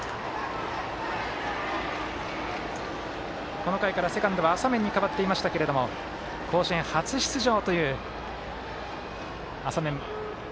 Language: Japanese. この回から、セカンドは浅面に代わっていましたが甲子園初出場という浅面。